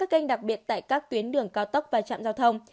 các kênh đặc biệt tại các tuyến đường cao tốc và trạm giao thông